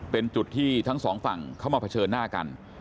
เป็นจุดที่ทั้งสองฝั่งเข้ามาเผชิญหน้ากัน